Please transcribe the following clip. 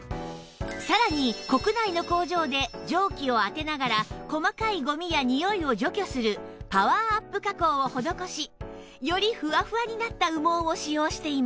さらに国内の工場で蒸気を当てながら細かいごみやにおいを除去するパワーアップ加工を施しよりふわふわになった羽毛を使用しています